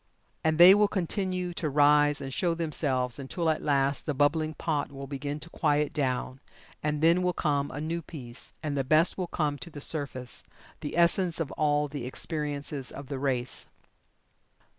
And they will continue to rise and show themselves until at last the bubbling pot will begin to quiet down, and then will come a new peace, and the best will come to the surface the essence of all the experiences of the race.